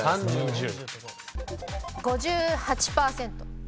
５８％。